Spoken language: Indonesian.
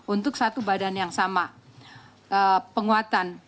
untuk satu badan yang sama penguatan